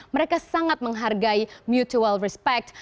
mereka sangat menghargai mutual respect